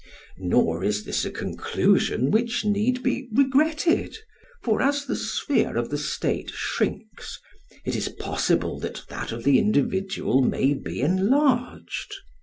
Nor is this a conclusion which need be regretted. For as the sphere of the state shrinks, it is possible that that of the individual may be enlarged.